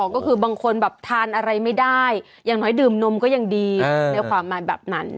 ก็คือบางคนแบบทานอะไรไม่ได้อย่างน้อยดื่มนมก็ยังดีในความหมายแบบนั้น